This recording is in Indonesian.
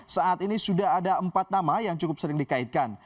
saat ini sudah ada empat nama yang cukup sering dikaitkan